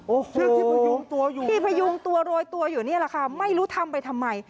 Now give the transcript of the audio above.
โอ้โฮที่พยุงตัวอยู่นี่แหละค่ะไม่รู้ทำไปทำไม